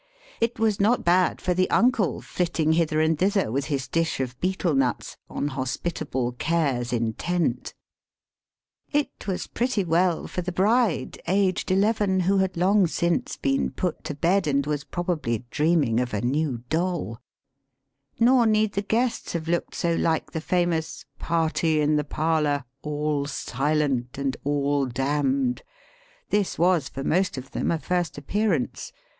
It was not bad for the uncle flitting hither and thither with his dish of betel nuts, on hospitable cares intent. It Digitized by VjOOQIC 190 EAST BY WEST. was pretty well for the bride, aged eleven, who had long since been put to bed and was pro bably dreaming of a new doll ; nor need the guests have looked so like the famous " Party in the parlour, All silent and all damned." This was for most of them a first appearance.